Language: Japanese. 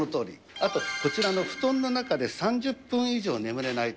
あとこちらの布団の中で３０分以上眠れないと。